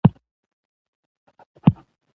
د صادراتو زیاتوالی د بهرنیو اسعارو ذخیرې ډیروي.